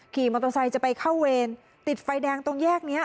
ขี่มอเตอร์ไซค์จะไปเข้าเวรติดไฟแดงตรงแยกนี้